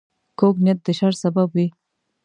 کوږ نیت د شر سبب وي